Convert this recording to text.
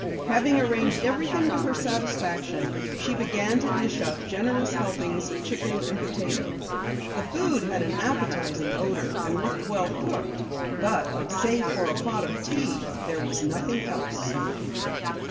Having arranged everything to her satisfaction, she began to dish up generous helpings of chicken and potato. The food had an appetizing odor and looked well cooked, but save for a pot of tea, there was nothing else.